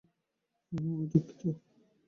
ওহ আমি দুঃখিত।